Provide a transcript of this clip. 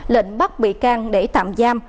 lệnh bắt bị can để tạm giam